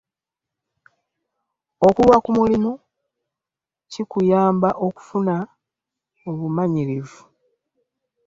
Okulwa ku mulimu kikuyamba okufuna obumanyirivu.